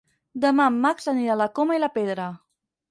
Demà en Max anirà a la Coma i la Pedra.